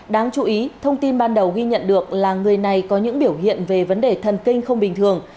đáng chú ý thông tin ban đầu ghi nhận được là người này có những biểu hiện về vấn đề thần kinh không bình thường